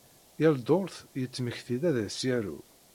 Yal dduṛt, yettmekti-d ad as-yaru.